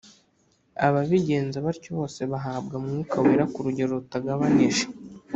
Ababigenza batyo bose bahabwa Mwuka Wera ku rugero rutagabanije